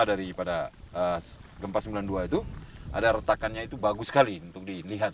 daripada gempa sembilan puluh dua itu ada retakannya itu bagus sekali untuk dilihat